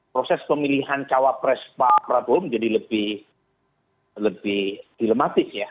proses pemilihan cawapres pak prabowo menjadi lebih dilematis ya